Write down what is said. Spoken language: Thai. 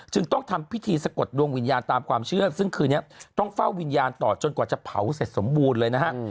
จึงต้องทำพิธีสะกดดวงวิญญาณตามความเชื่อซึ่งคืนนี้ต้องเฝ้าวิญญาณต่อจนกว่าจะเผาเสร็จสมบูรณ์เลยนะฮะ